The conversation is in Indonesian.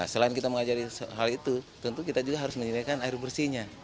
selain kita mengajari hal itu tentu kita juga harus menyediakan air bersihnya